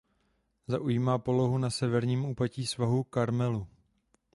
Zaujímá polohu na severním úpatí svahů Karmelu.